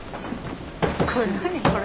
これ何これ。